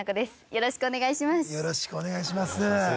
よろしくお願いします。